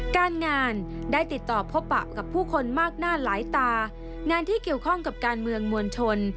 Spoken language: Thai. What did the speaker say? การงานได้ติดต่อพบปะกับผู้คนมากหน้าหลายตางานที่เกี่ยวข้องกับการเมืองมวลชน